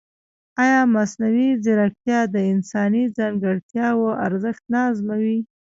ایا مصنوعي ځیرکتیا د انساني ځانګړتیاوو ارزښت نه ازموي؟